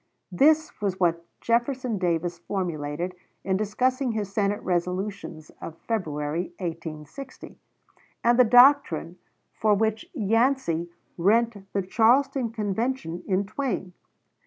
This was what Jefferson Davis formulated in discussing his Senate resolutions of February, 1860, and the doctrine for which Yancey rent the Charleston Convention in twain.